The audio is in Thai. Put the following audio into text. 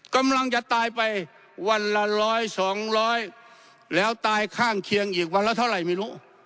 กำลังจะตายไปวันละร้อยสองร้อยแล้วตายข้างเคียงอีกวันละเท่าไหร่ไม่รู้